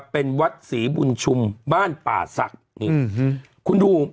เป็นวัดสีบุญชุมบ้านป่าศักดิ์